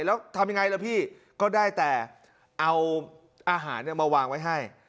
แล้วทำยังไงล่ะพี่ก็ได้แต่เอาอาหารมาวางไว้ให้